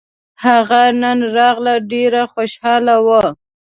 هغه نن راغله ډېره خوشحاله وه